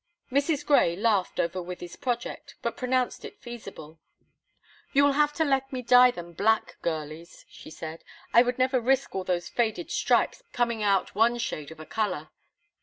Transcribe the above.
Mrs. Grey laughed over Wythie's project, but pronounced it feasible. "You will have to let me dye them black, girlies," she said. "I would never risk all those faded stripes coming out one shade of a color.